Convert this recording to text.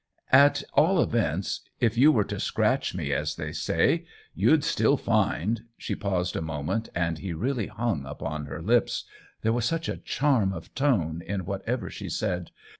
At all events, if you were to scratch me, as they say, you'd 66 THE WHEEL OF TIME Still find —" She paused a moment, and he really hung upon her lips ; there was such a charm of tone in whatever she said.